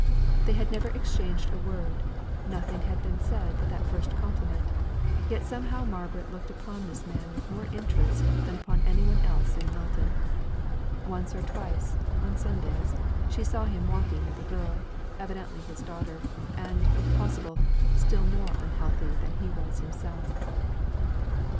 They had never exchanged a word; nothing had been said but that first compliment; yet somehow Margaret looked upon this man with more interest than upon any one else in Milton. Once or twice, on Sundays, she saw him walking with a girl, evidently his daughter, and, if possible, still more unhealthy than he was himself.